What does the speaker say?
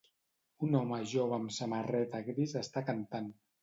Un home jove amb samarreta gris està cantant.